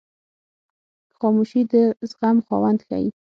خاموشي، د زغم خاوند ښیي.